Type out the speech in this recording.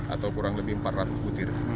atau kurang lebih empat ratus butir